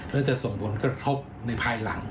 แล้วจะส่งผลกระทบในภายหลัง